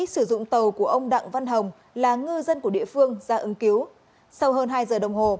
sử dụng tàu của ông đặng văn hồng là ngư dân của địa phương ra ứng cứu sau hơn hai giờ đồng hồ